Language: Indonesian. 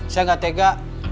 saya gak tega